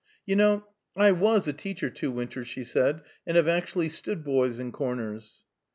"You know I was a teacher two winters," she said, "and have actually stood boys in corners."